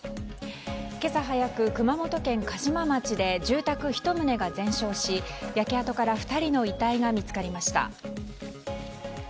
今朝早く、熊本県嘉島町で住宅１棟が全焼し、焼け跡から２人の遺体が見つかりました。